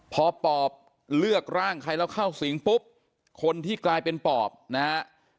พอปอบเลือกร่างใครแล้วเข้าสิงปุ๊บคนที่กลายเป็นปอบนะฮะ